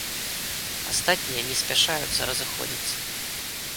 Астатнія не спяшаюцца разыходзіцца.